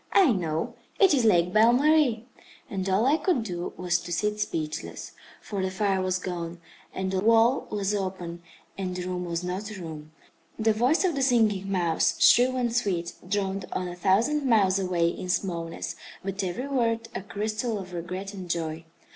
I know. It is Lake Belle Marie." And all I could do was to sit speechless. For the fire was gone, and the wall was open, and the room was not a room. The voice of the Singing Mouse, shrill and sweet, droned on a thousand miles away in smallness, but every word a crystal of regret and joy.